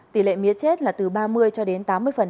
tỷ lệ mía chết là từ ba mươi cho đến tám mươi